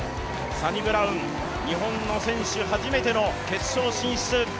サニブラウン、日本の選手初めての決勝進出。